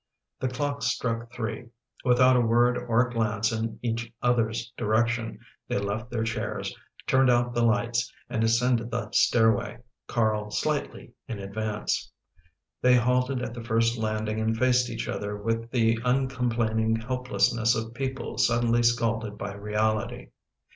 The clock struck three. Without a word or glance in each other's direc tion they left their chairs, turned out the lights, and ascended the stairway, Carl slightly in advance. They halted at the first landing and faced each other with the uncomplaining helplessness of people suddenly scalded by reality.